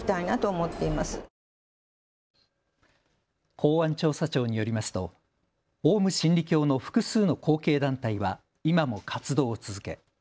公安調査庁によりますとオウム真理教の複数の後継団体は今も活動を続け